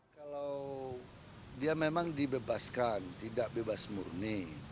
kalau dia memang dibebaskan tidak bebas murni